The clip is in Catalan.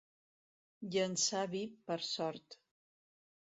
Llençar vi per sort.